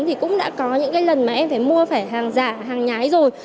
thì cũng đã có những cái lần mà em phải mua phải hàng giả hàng nhái rồi